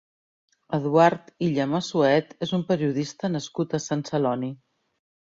Eduard Illa Massuet és un periodista nascut a Sant Celoni.